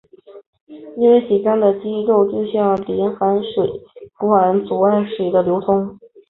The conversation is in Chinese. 因为紧张的肌肉就像淤塞的水管阻碍水的流通。